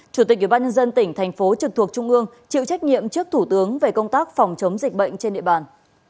chủ tịch ủy ban nhân dân tỉnh thành phố trực thuộc trung ương chịu trách nhiệm trước thủ tướng về công tác phòng chống dịch bệnh trên địa bàn